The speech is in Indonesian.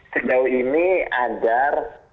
sejauh ini agar